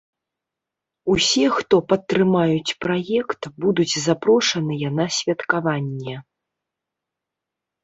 Усе, хто падтрымаюць праект, будуць запрошаныя на святкаванне.